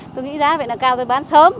tôi nghĩ giá vậy là cao tôi bán sớm